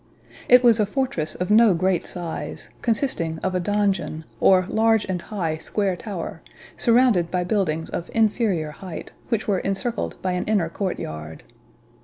It was a fortress of no great size, consisting of a donjon, or large and high square tower, surrounded by buildings of inferior height, which were encircled by an inner court yard.